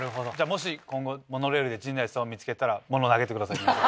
じゃもし今後モノレールで陣内さんを見つけたら物を投げてください。